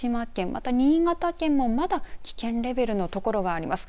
また、新潟県もまだ危険レベルの所があります。